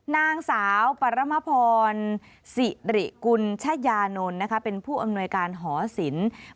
นางสาวปรมพรสิริกุญชญานนท์นะคะเป็นผู้อำนวยการหอศิลป์